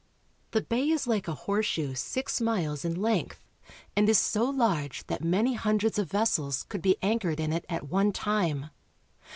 The bay is like a horseshoe six miles in length and is so large that many hundreds of vessels could be anchored in it at one time.